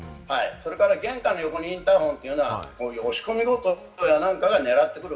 それから、玄関横にインターホンというのは押し込み強盗などが狙ってくる。